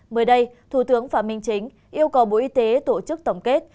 mới đây thủ tướng phạm minh chính yêu cầu bộ y tế tổ chức tổng kết